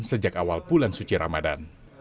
sejak awal bulan suci ramadan